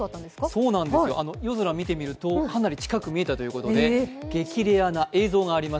夜空を見てみると、かなり近く見えたということで、激レアな映像があります。